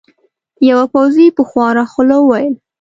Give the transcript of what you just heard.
یوه پوځي په خواره خوله وویل.